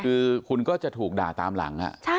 คือคุณก็จะถูกด่าตามหลัง